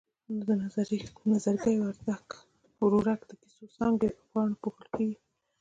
نو د نظرګي ورورک د کیسو څانګې په پاڼو پوښل کېږي.